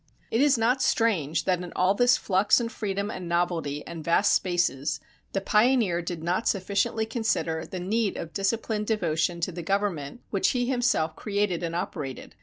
It is not strange that in all this flux and freedom and novelty and vast spaces, the pioneer did not sufficiently consider the need of disciplined devotion to the government which he himself created and operated.